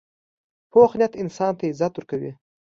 پوخ نیت انسان ته عزت ورکوي